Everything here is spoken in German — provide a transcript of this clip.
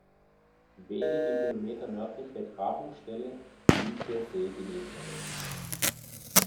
Wenige Kilometer nördlich der Grabungsstelle liegt der See Genezareth.